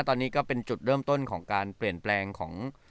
ตอนนี้ก็เป็นจุดเริ่มต้นของการเปลี่ยนแปลงของ